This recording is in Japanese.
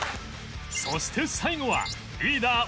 そして最後はリーダー大橋